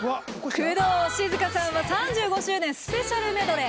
工藤静香さんは「３５周年ＳＰメドレー」。